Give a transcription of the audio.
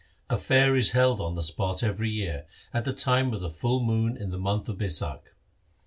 A fair is held on the spot every year at the time of the full moon in the month of Baisakh.